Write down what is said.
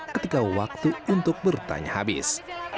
ketika waktu untuk bertanya habis